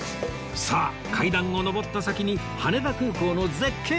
さあ階段を上った先に羽田空港の絶景が待ってますよ！